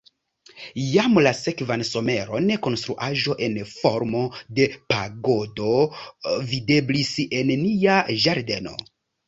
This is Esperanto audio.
Jam la sekvan someron konstruaĵo en formo de pagodo videblis en nia ĝardeno.